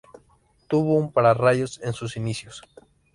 Tuvo un pararrayos en sus inicios.